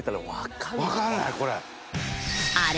わからないこれ。